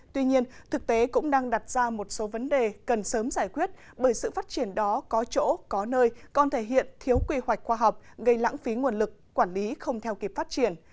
tuy nhiên thực tế cũng đang đặt ra một số vấn đề cần sớm giải quyết bởi sự phát triển đó có chỗ có nơi còn thể hiện thiếu quy hoạch khoa học gây lãng phí nguồn lực quản lý không theo kịp phát triển